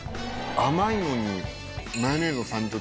甘いのに。